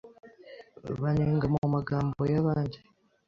banenga mu magambo yabandi